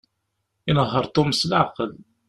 Inehheṛ Tom s leɛqel.